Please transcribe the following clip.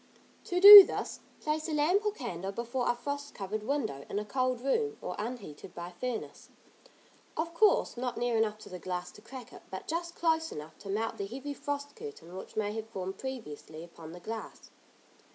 To do this, place a lamp or candle before a frost covered window, in a cold room, or unheated by furnace, of course not near enough to the glass to crack it, but just close enough to melt the heavy frost curtain which may have formed previously upon the glass.